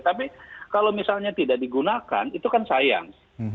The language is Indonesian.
tapi kalau misalnya tidak digunakan itu kan sayang